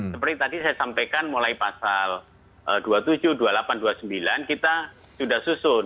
seperti tadi saya sampaikan mulai pasal dua puluh tujuh dua puluh delapan dua puluh sembilan kita sudah susun